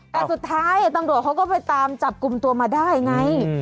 แต่สุดท้ายตำรวจเขาก็ไปตามจับกลุ่มตัวมาได้ไง